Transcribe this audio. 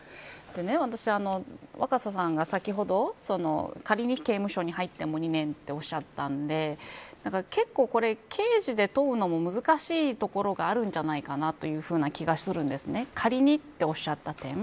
私、若狭さんが先ほど仮に刑務所に入っても２年とおっしゃったんで結構これ、刑事で問うのも難しいところがあるんじゃないかなというふうな気がするんですね。